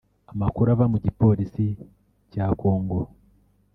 Amakuru ava mu Gipolisi cya Congo